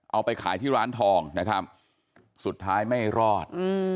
เอาไปขายที่ร้านทองนะครับสุดท้ายไม่รอด